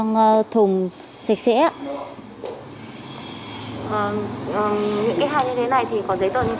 những cái hai như thế này thì có giấy tờ như thế nào